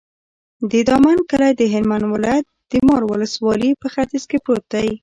د دامن کلی د هلمند ولایت، د مار ولسوالي په ختیځ کې پروت دی.